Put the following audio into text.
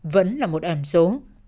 vẫn là một ẩn số